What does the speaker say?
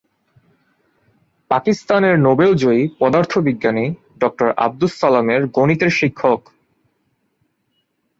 পাকিস্তানের নোবেলজয়ী পদার্থবিজ্ঞানী ডক্টর আবদুস সালামের গণিতের শিক্ষক।